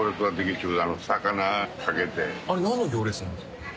あれ何の行列なんですか？